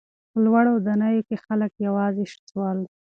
په لوړو ودانیو کې خلک یوازې سول.